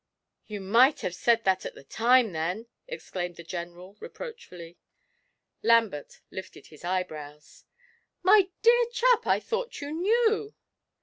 'You might have said that at the time, then!' exclaimed the General reproachfully. Lambert lifted his eyebrows. 'My dear chap, I thought you knew.